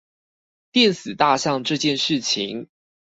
電死大象這件事情